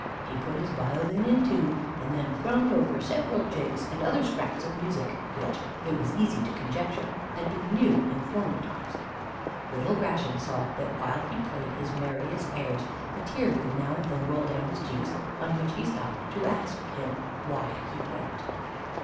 He put his violin in tune, and then thrummed over several jigs and other scraps of music, which, it was easy to conjecture, had been new in former times. "Little Gratian saw that while he played his merriest airs, a tear would now and then roll down his cheeks, on which he stopped to ask him why he wept?